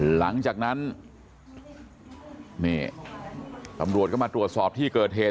หลังจากนั้นนี่ตำรวจก็มาตรวจสอบที่เกิดเหตุ